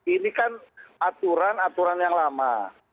ini kan aturan aturan yang lama